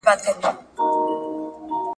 مکناتن پوه شو چې جګړه سختېږي.